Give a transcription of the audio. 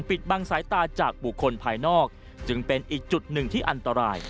ปิดบังสายตาจากบุคคลภายนอกจึงเป็นอีกจุดหนึ่งที่อันตราย